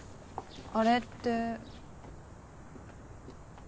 あれって。